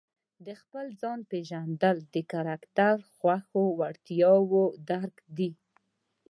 د خپل ځان پېژندل د کرکټر، خوښو او وړتیاوو درک دی.